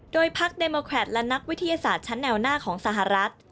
โดยพักเดโมแครตและนักวิทยาศาสตร์ชั้นแนวหน้าของสหรัฐ